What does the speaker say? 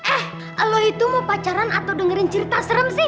eh lo itu mau pacaran atau dengerin cerita serem sih